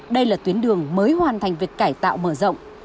đây là tuyến đường mới hoàn thành việc cải tạo mở rộng